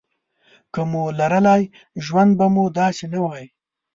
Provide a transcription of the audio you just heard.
که مو لرلای ژوند به مو داسې نه وای.